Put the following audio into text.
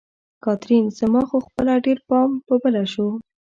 کاترین: زما خو خپله ډېر پام په بله شو.